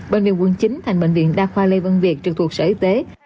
bệnh viện quận chín thành bệnh viện đa khoa lê văn việt trực thuộc sở y tế